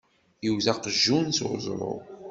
Iwet aqjun s uẓru.